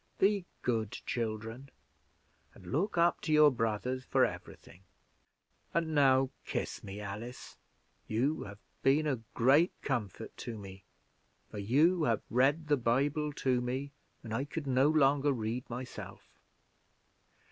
Be good children, and look up to your brothers for every thing. And now kiss me, Alice; you have been a great comfort to me, for you have read the Bible to me when I could no longer read myself.